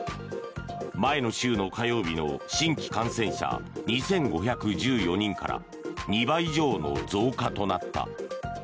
前の週の火曜日の新規感染者２５１４人から２倍以上の増加となった。